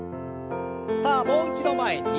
さあもう一度前に。